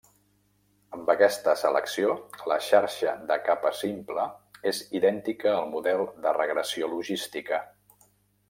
Amb aquesta selecció, la xarxa de capa simple és idèntica al model de regressió logística.